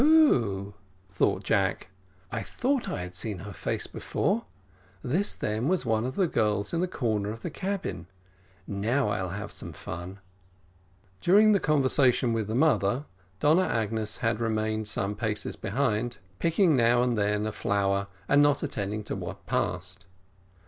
"Oh, oh," thought Jack; "I thought I had seen her face before; this then was one of the girls in the corner of the cabin now, I'll have some fun." During the conversation with the mother, Donna Agnes had remained some paces behind, picking now and then a flower, and not attending to what passed.